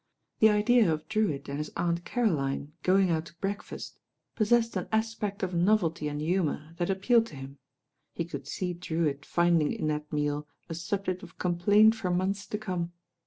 The idea of Drewitt and his Aunt Caroline going out to breakfast possessed an aspect of novelty and humour that appealed to him. He could see Drew itt finding in that meal a subject of complaint for months to come.